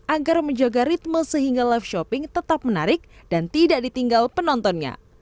agar menjaga ritme sehingga live shopping tetap menarik dan tidak ditinggal penontonnya